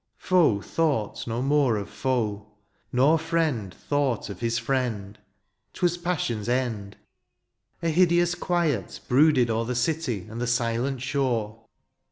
Foe thought no more of foe, nor friend Thought of his friend ; 'twas passion's end. A hideous quiet brooded o'er The city and the silent shore.